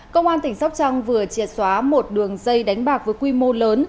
công an tỉnh sóc trăng vừa triệt xóa một đường dây đánh bạc với quy mô lớn